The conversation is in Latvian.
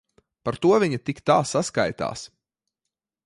Par to viņa tik tā saskaitās.